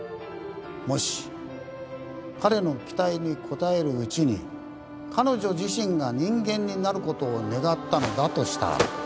もし彼の期待に応えるうちに彼女自身が人間になることを願ったのだとしたら。